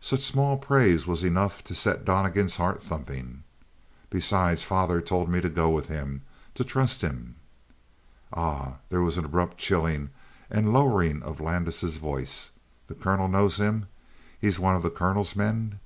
Such small praise was enough to set Donnegan's heart thumping. "Besides, father told me to go with him, to trust him." "Ah!" There was an abrupt chilling and lowering of Landis' voice. "The colonel knows him? He's one of the colonel's men?"